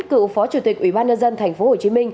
cựu phó chủ tịch ubnd tp hcm